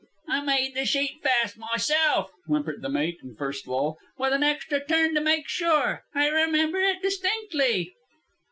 "I made the sheet fast myself," whimpered the mate in the first lull, "with an extra turn to make sure. I remember it distinctly."